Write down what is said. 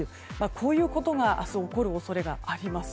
こういうことが明日、起こる恐れがあります。